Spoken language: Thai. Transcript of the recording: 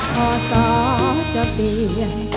พอสอจะเปลี่ยน